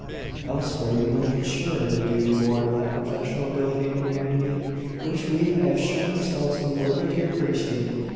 Elsewhere you might ensure the due reward of that professional ability and humanity which we have shown ourselves unworthy to appreciate.